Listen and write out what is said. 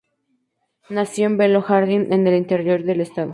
Nació en Belo Jardim, en el interior del estado.